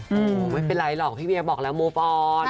โอ้ไม่เป็นไรหรอกพี่เวียนบอกแล้วเมาพร